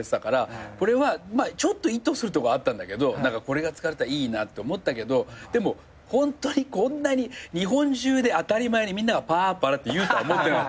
これはちょっと意図するとこあったんだけどこれが使われたらいいなって思ったけどでもホントにこんなに日本中で当たり前にみんなが「パーパラッ」って言うとは思ってない。